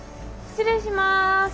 失礼します。